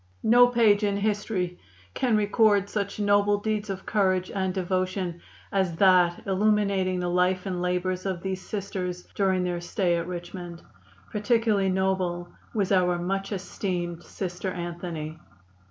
"No page in history can record such noble deeds of courage and devotion as that illuminating the life and labors of these Sisters during their stay at Richmond. Particularly noble was our much esteemed Sister Anthony.